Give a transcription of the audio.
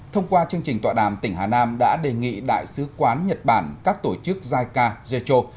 thông qua chương trình tọa đàm tỉnh hà nam đã đề nghị đại sứ quán nhật bản các tổ chức jica jetro